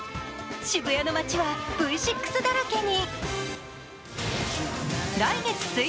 渋谷の街はＶ６だらけに。